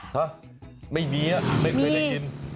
ฮะไม่มีไม่เคยได้ยิน